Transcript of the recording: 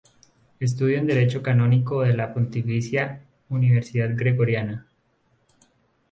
Estudio en Derecho canónico en la Pontificia Universidad Gregoriana.